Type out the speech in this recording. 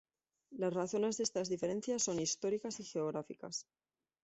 Las razones de estas diferencias son históricas y geográficas.